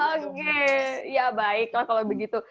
oke ya baiklah kalau begitu